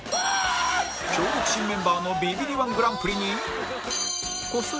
強力新メンバーのビビリ −１ グランプリに